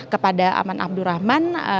kepada aman abdurrahman